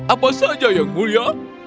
apa saja yang mulia